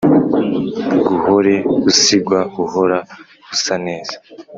gahore usigwa uhora usa neza